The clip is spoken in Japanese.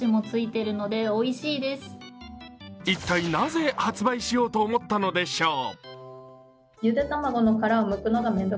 一体なぜ、発売しようと思ったのでしょう？